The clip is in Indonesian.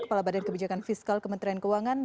kepala badan kebijakan fiskal kementerian keuangan